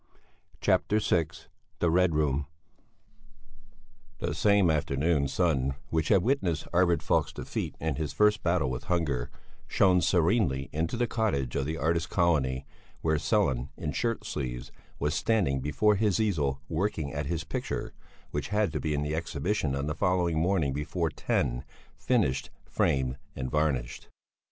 CHAPTER VI THE RED ROOM The same afternoon sun which had witnessed Arvid Falk's defeat in his first battle with hunger shone serenely into the cottage of the artists' colony, where Sellén, in shirt sleeves, was standing before his easel working at his picture which had to be in the Exhibition on the following morning before ten, finished, framed, and varnished.